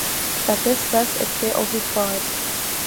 Cette espèce était ovipare.